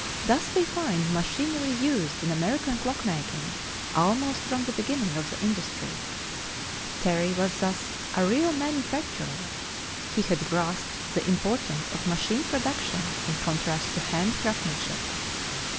Thus we find machinery used in American clock making almost from the beginning of the industry. Terry thus was a real manufacturer; he had grasped the importance of machine production in contrast to hand craftsmanship.